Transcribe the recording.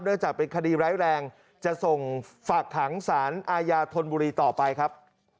เนื่องจากเป็นคดีไร้แรงจะส่งฝากถังสารอายาทนบุรีต่อไปครับ